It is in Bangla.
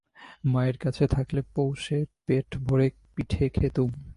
মায়ের কাছে থাকলে পৌষে পেট ভরে পিঠে খেতুম।